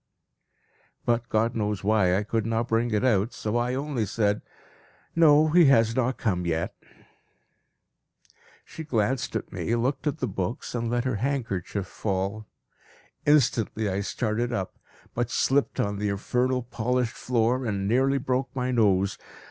But, God knows why, I could not bring it out, so I only said, "No, he has not come yet." She glanced at me, looked at the books, and let her handkerchief fall. Instantly I started up, but slipped on the infernal polished floor, and nearly broke my nose.